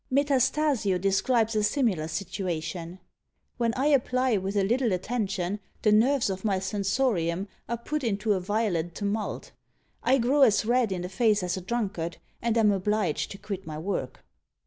Metastasio describes a similar situation. "When I apply with a little attention, the nerves of my sensorium are put into a violent tumult. I grow as red in the face as a drunkard, and am obliged to quit my work."